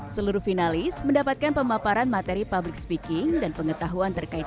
seluruh finalis mendapatkan pemaparan materi public speaking dan pengetahuan terkait